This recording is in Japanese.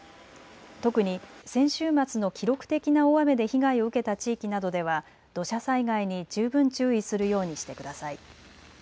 特に先週末の記録的な大雨で被害を受けた地域などでは土砂災害に十分注意するようにしてください。